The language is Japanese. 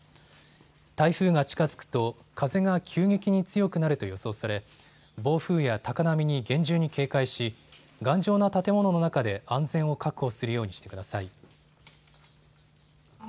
台風が近づくと風が急激に強くなると予想され暴風や高波に厳重に警戒し、頑丈な建物の中で安全を確保するようにしてください。